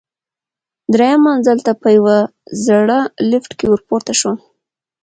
درېیم منزل ته په یوه زړه لفټ کې ورپورته شوم.